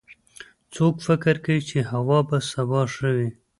څوک فکر کوي چې هوا به سبا ښه وي